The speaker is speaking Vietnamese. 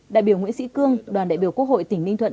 đại biểu nguyễn sĩ cương đoàn đại biểu quốc hội tỉnh ninh thuận